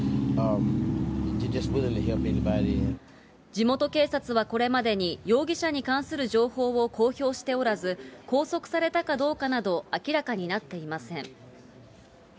地元警察はこれまでに、容疑者に関する情報を公表しておらず、拘束されたかどうかなど明らかになっていません。